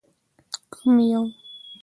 _کوم يو؟